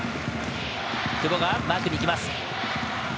久保がマークに行きます。